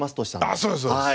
ああそうですそうです。